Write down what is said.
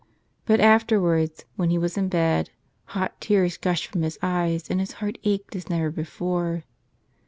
But afterwards, when he was in bed, hot tears gushed from his eyes and his heart ached as never before.